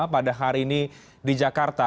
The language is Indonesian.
pada hari ini di jakarta